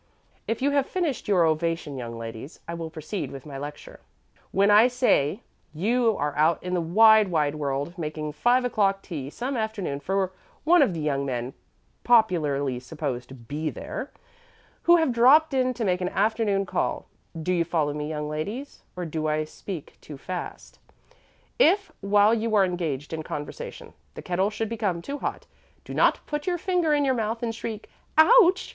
"If you have finished your ovation, young ladies, I will proceed with my lecture. When, as I say, you are out in the wide, wide world, making five o'clock tea some afternoon for one of the young men popularly supposed to be there, who have dropped in to make an afternoon call Do you follow me, young ladies, or do I speak too fast? If, while you are engaged in conversation, the kettle should become too hot, do not put your finger in your mouth and shriek 'Ouch!'